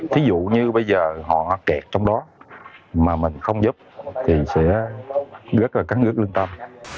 thí dụ như bây giờ họ kẹt trong đó mà mình không giúp thì sẽ rất là cắn ngứt linh tâm